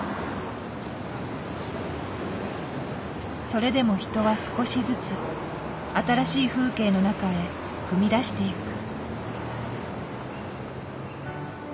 それでも人は少しずつ新しい風景の中へ踏み出していく。